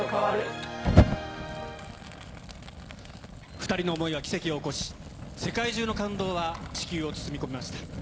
２人の想いが奇跡を起こし、世界中の感動は、地球を包み込みました。